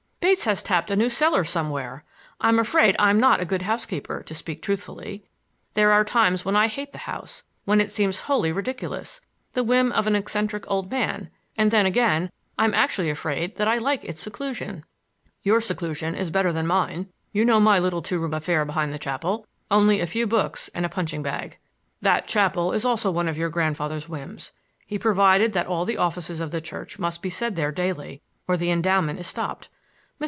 Bates has tapped a new cellar somewhere. I'm afraid I'm not a good housekeeper, to speak truthfully. There are times when I hate the house; when it seems wholly ridiculous, the whim of an eccentric old man; and then again I'm actually afraid that I like its seclusion." "Your seclusion is better than mine. You know my little two room affair behind the chapel,—only a few books and a punching bag. That chapel also is one of your grandfather's whims. He provided that all the offices of the church must be said there daily or the endowment is stopped. Mr.